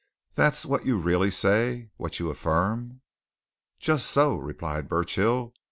"That's what you really say what you affirm?" "Just so," replied Burchill.